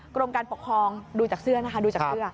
กรมการปกครองดูจากเสื้อนะคะ